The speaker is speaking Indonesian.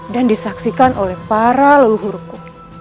dan disaksikan oleh para leluhurku